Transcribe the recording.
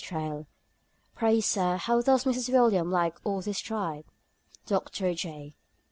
THRALE. "Pray, Sir, how does Mrs. Williams like all this tribe?" DR. J.